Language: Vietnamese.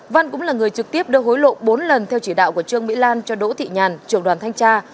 văn cũng là người trực tiếp đưa hối lộ bốn lần theo chỉ đạo của trương mỹ lan cho đỗ thị nhàn trưởng đoàn thanh tra